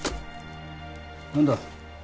何だ？